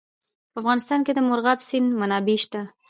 په افغانستان کې د مورغاب سیند منابع شته.